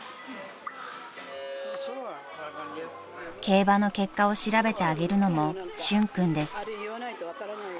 ［競馬の結果を調べてあげるのも俊君です］